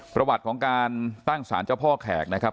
ประวัติของการตั้งสารเจ้าพ่อแขกนะครับ